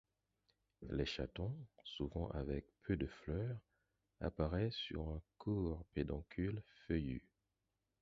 Les chatons, souvent avec peu de fleurs, apparaissent sur un court pédoncule feuillu.